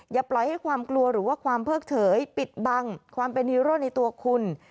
อย่าปล่อยให้ความกลัวหรือว่าความเพิกเฉยปิดบังความเป็นฮีโร่ในตัวคุณ